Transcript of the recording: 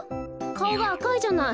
かおがあかいじゃない。